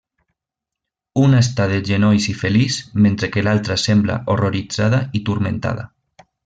Una està de genolls i feliç, mentre que l'altra sembla horroritzada i turmentada.